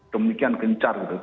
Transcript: demikian gencar gitu